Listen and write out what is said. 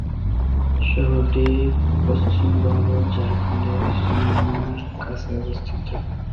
শহরটি পশ্চিমবঙ্গ-ঝাড়খণ্ডের সীমানার কাছে অবস্থিত।